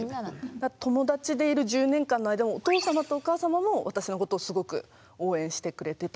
友達でいる１０年間の間もお父様とお母様も私のことをすごく応援してくれてたっていう感じで。